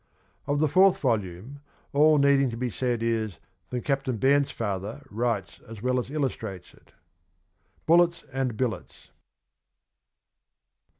... of the fourth volume, all needing to be said is that Captain Bairnsfather writes as well as illustrates it. —' Bullets and Billets.'